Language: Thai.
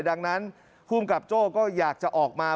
ดังนั้นภูมิกับโจ้ก็อยากจะออกมา